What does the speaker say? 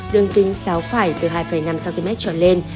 đường kinh sáu phải từ hai năm cm trọn lên